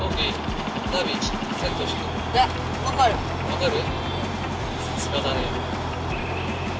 分かる？